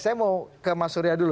saya mau ke mas surya dulu